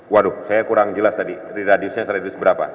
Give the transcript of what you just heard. waduh saya kurang jelas tadi di radiusnya radius berapa